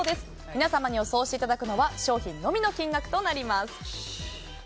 皆さんに予想していただくのは商品のみの金額となります。